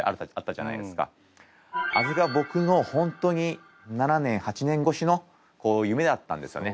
あれが僕の本当に７年８年越しの夢だったんですよね。